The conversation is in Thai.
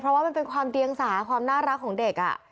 เพราะว่ามันเป็นความเดียงสาความน่ารักของเด็ก